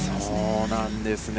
そうなんですね。